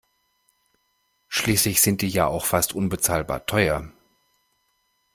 Schließlich sind die ja auch fast unbezahlbar teuer.